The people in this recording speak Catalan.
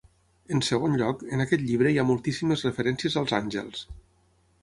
En segon lloc, en aquest llibre hi ha moltíssimes referències als àngels.